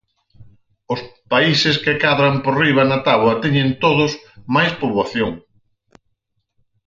Os países que cadran por riba na táboa teñen todos máis poboación.